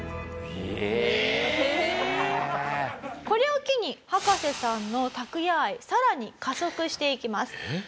これを機に葉加瀬さんのタクヤ愛さらに加速していきます。